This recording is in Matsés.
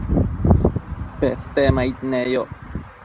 Petemaid neyoc